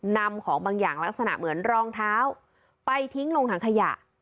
นำของบางอย่างลักษณะเหมือนรองเท้าไปทิ้งลงถังขยะ